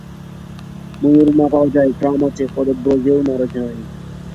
ময়ূর না পাওয়া যায়, ট্রাম আছে, পদব্রজেও নারাজ নই।